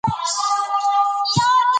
زده کړه د یوې روښانه راتلونکې لپاره اړینه ده.